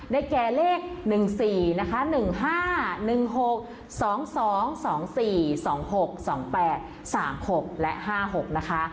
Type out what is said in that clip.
แก่เลข๑๔นะคะ๑๕๑๖๒๒๔๒๖๒๘๓๖และ๕๖นะคะ